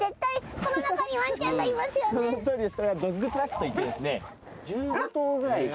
そのとおりです